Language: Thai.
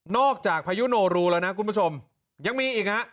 จากพายุโนรูแล้วนะคุณผู้ชมยังมีอีกฮะ